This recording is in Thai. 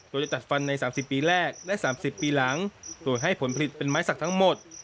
โดยจะตัดฟันใน๓๐ปีแรกและ๓๐ปีหลังโดยให้ผลผลิตเป็นไม้สักทั้งหมด